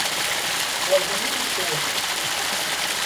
Mojuí dos Campos